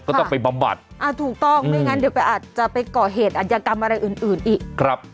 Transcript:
ก็ต้องไปบำบัดถูกต้องไม่งั้นเดี๋ยวก็อาจจะไปก่อเหตุอัธยกรรมอะไรอื่นอีกครับ